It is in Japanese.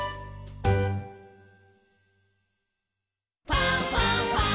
「ファンファンファン」